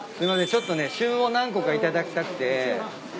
ちょっとね旬を何個か頂きたくて。